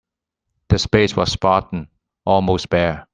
The space was spartan, almost bare.